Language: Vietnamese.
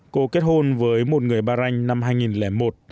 cô kết hôn với một người ba ranh năm hai nghìn một